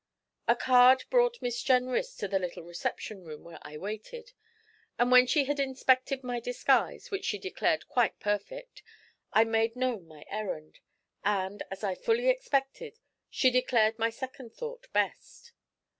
A card brought Miss Jenrys to the little reception room where I waited, and when she had inspected my disguise, which she declared quite perfect, I made known my errand, and, as I fully expected, she declared my second thought best.